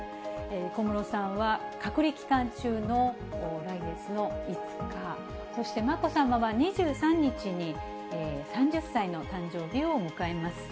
小室さんは隔離期間中の来月の５日、そしてまこさまは、２３日に３０歳の誕生日を迎えます。